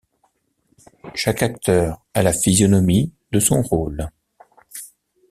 Chaque acteur a la physionomie de son rôle.